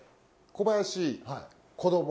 小林こども？